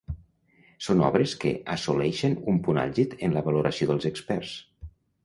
Són obres que assoleixen un punt àlgid en la valoració dels experts.